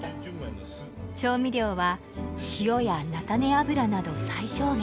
調味料は塩や菜種油など最小限。